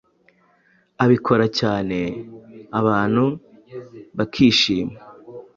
abikora cyane abantu bakishima,